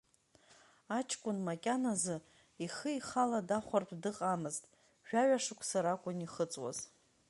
Аҷкәын макьаназы ихы ихала дахәартә дыҟамызт, жәаҩа шықәса ракәын ихыҵуаз.